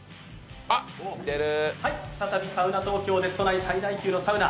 再びサウナ東京です、都内最大級のサウナ。